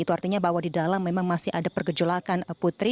itu artinya bahwa di dalam memang masih ada pergejolakan putri